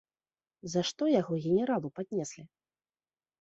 За што яго генералу паднеслі?